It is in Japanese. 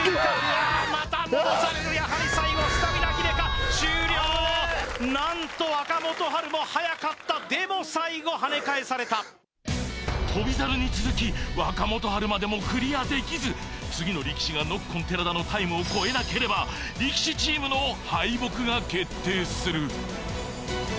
あーまた戻されるやはり最後スタミナ切れか終了何と若元春もはやかったでも最後はね返された翔猿に続き若元春までもクリアできず次の力士がノッコン寺田のタイムをこえなければ力士チームの敗北が決定する